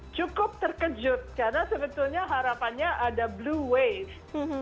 cukup terkejut karena sebetulnya harapannya ada blue wave